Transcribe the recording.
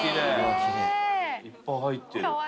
いっぱい入ってる。